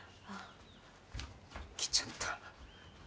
来ちゃった。